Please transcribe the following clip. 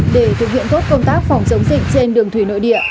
để thực hiện tốt công tác phòng chống dịch trên đường thủy nội địa